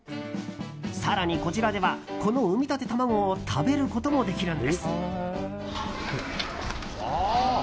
更に、こちらではこの産みたて卵を食べることもできるんです。